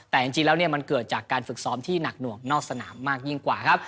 แต่จริงแล้วเนี่ยมันเกิดจากการฝึกซ้อมที่หนักหน่วงนอกสนามมากยิ่งกว่าครับ